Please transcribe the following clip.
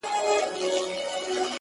له خپل ځان سره ږغيږي،